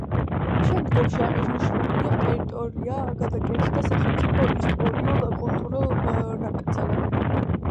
შემდგომში აღნიშნული ტერიტორია გადაკეთდა სახელმწიფო ისტორიულ-კულტურულ ნაკრძალად.